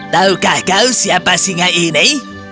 taukah kau siapa singa ini